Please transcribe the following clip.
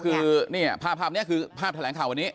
คือนี่ภาพนี้คือภาพแถลงข่าววันนี้